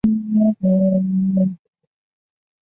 祖父孙子高。